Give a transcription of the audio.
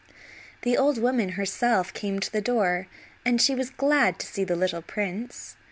The old woman, herself, came to the door, and she was glad to see the little prince.